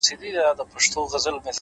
ماته اوس هم راځي حال د چا د ياد؛